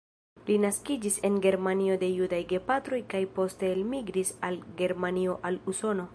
Li naskiĝis en Germanio de judaj gepatroj kaj poste elmigris el Germanio al Usono.